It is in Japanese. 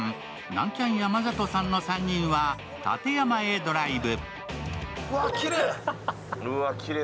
南キャン山里さんの３人は館山へドライブ。